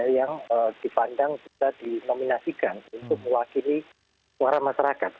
yang dipandang bisa dinominasikan untuk mewakili suara masyarakat